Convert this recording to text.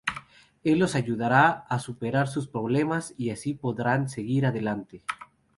Él los ayudará a superar sus problemas y así podrán seguir adelante.